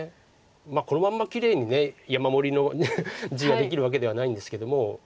このままきれいに山盛りの地ができるわけではないんですけども。